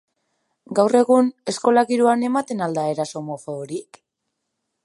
Gaur egun, eskola giroan, ematen al da eraso homofoborik?